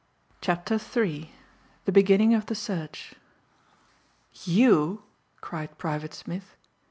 _" CHAPTER THREE THE BEGINNING OF THE SEARCH "You?" cried Private Smith.